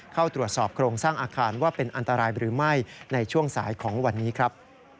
เข้าตรวจสอบโครงสร้างอาคารว่าเป็นอันตรายหรือไม่ในช่วงสายของวันนี้ครับ